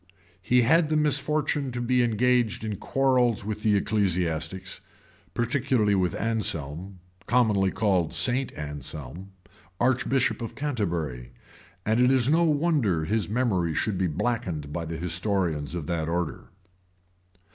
He had the misfortune to be engaged in quarrels with the ecclesiastics, particularly with Anselm, commonly called St. Anselm, archbishop of Canterbury; and it is no wonder his memory should be blackened by the historians of that order.